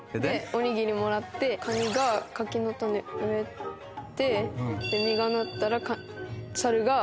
おにぎりもらってかにが柿の種植えて実がなったらさるが。